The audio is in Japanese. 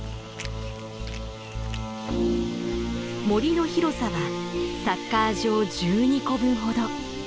森の広さはサッカー場１２個分ほど。